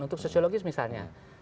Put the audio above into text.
untuk sosiologis misalnya